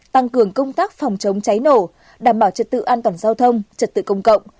tăng cường công tác phòng chống cháy nổ đảm bảo trật tự an toàn giao thông trật tự công cộng